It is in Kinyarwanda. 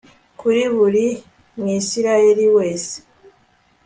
kuri buri mwisirayeli wese